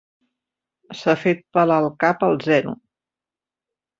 S'ha fet pelar el cap al zero.